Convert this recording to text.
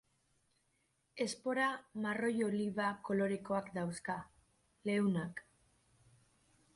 Espora marroi-oliba kolorekoak dauzka, leunak.